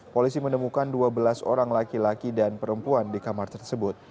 polisi menemukan dua belas orang laki laki dan perempuan di kamar tersebut